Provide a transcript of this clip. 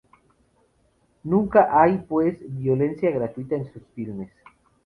Nunca hay, pues, violencia gratuita en sus filmes.